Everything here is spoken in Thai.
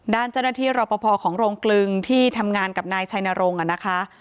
ด้านเจ้าหน้าที่รอปภของโรงกลึงที่ทำงานกับนายชัยนรงค์นะคะ